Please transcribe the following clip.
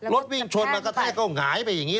รถวิ่งชนมากระแทกก็หงายไปอย่างนี้